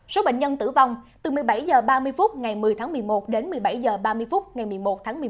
số bệnh nhân tử vong từ một mươi bảy h ba mươi phút ngày một mươi tháng một mươi một đến một mươi bảy h ba mươi phút ngày một mươi một tháng một mươi một